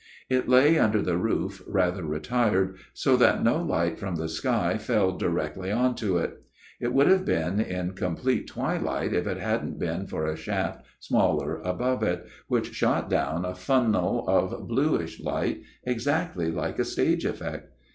It lay under the roofJTather retired, so that no light from the sky MR. PERCIVAL'S TALE 277 fell directly on to it ; it would have been in com plete twilight if it hadn't been for a shaft smaller above it, which shot down a funnel of bluish light, exactly like a stage effect.